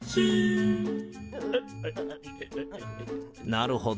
なるほど。